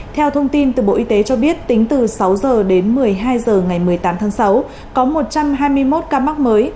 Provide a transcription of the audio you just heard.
theo thông tin từ bộ y tế cho biết tính từ sáu h đến một mươi hai h ngày một mươi tám tháng sáu có một trăm hai mươi một ca mắc mới